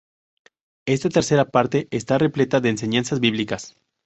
Ésta tercera parte está repleta de enseñanzas bíblicas.